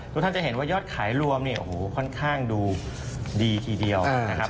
ทุกท่านจะเห็นว่ายอดขายรวมค่อนข้างดูดีทีเดียว